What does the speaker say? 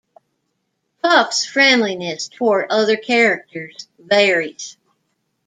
Puff's friendliness toward other characters varies.